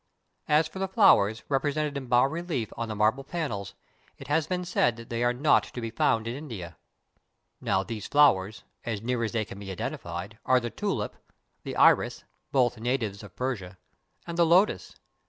As for the flowers, represented in bas relief on the marble panels, it has been said that they are not to be found in India. Now these flowers, as near as they can be identified, are the tulip, the iris (both natives of Persia), and the lotus.